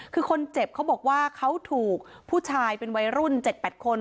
คือคนเจ็บเขาบอกว่าเขาถูกผู้ชายเป็นวัยรุ่น๗๘คน